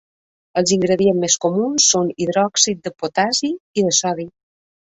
Els ingredients més comuns són hidròxid de potassi i de sodi.